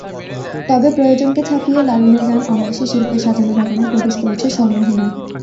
তবে প্রয়োজনকে ছাপিয়ে লালনের গান অনায়াসে শিল্পের সাজানো বাগানে প্রবেশ করেছে স্বমহিমায়।